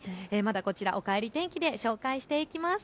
こちら、おかえり天気で紹介していきます。